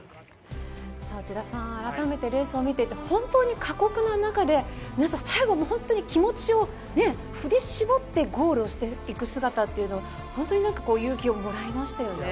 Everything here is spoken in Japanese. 内田さん、改めてレースを見ていて本当に過酷な中で本当に最後、気持ちを振り絞ってゴールをしていく姿ってのは本当に勇気をもらいましたね。